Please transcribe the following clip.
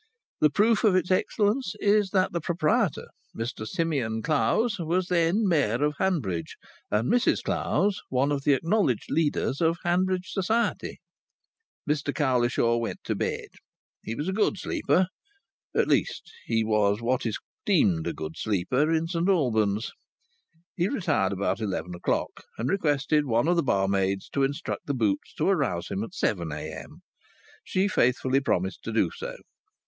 The proof of its excellence is that the proprietor, Mr Simeon Clowes, was then the Mayor of Hanbridge, and Mrs Clowes one of the acknowledged leaders of Hanbridge society. Mr Cowlishaw went to bed. He was a good sleeper; at least, he was what is deemed a good sleeper in St Albans. He retired about eleven o'clock, and requested one of the barmaids to instruct the boots to arouse him at 7 a.m. She faithfully promised to do so.